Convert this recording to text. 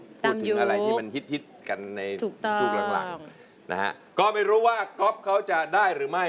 พูดถึงอะไรที่มันฮิตกันในช่วงหลังหลังนะฮะก็ไม่รู้ว่าก๊อฟเขาจะได้หรือไม่